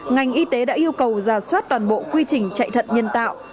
ngành y tế đã yêu cầu giả soát toàn bộ quy trình chạy thận nhân tạo